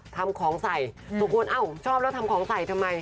ทำของใส่ทุกคนอ้าวชอบแล้วทำของใส่ทำไม